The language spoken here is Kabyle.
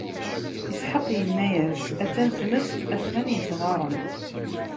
Isḥaq inna-yas: A-tt-an tmes, a-ten-an yesɣaren.